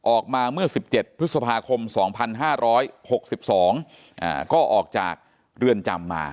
ออกมาเมื่อ๑๗พฤษภาคม๒๕๖๒ก็ออกจากเรือนจำมา